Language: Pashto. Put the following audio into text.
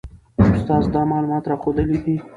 استاد دا معلومات راښوولي دي.